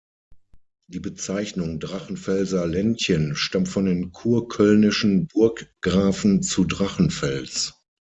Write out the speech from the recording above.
Die Bezeichnung "Drachenfelser Ländchen" stammt von den kurkölnischen Burggrafen zu Drachenfels.